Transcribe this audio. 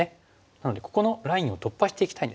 なのでここのラインを突破していきたいんです。